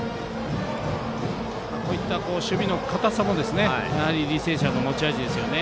こういった守備の堅さも履正社の持ち味ですよね。